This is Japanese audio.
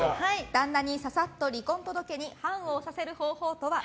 旦那にささっと離婚届に判を押させる方法とは？